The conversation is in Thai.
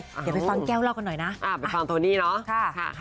เดี๋ยวไปฟังแก้วเรากันหน่อยนะครับโทนี่นะค่ะ